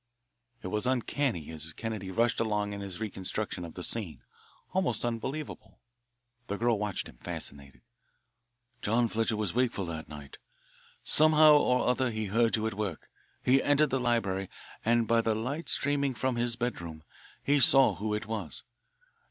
It was uncanny as Kennedy rushed along in his reconstruction of the scene, almost unbelievable. The girl watched him, fascinated. "John Fletcher was wakeful that night. Somehow or other he heard you at work. He entered the library and, by the light streaming from his bedroom, he saw who it was.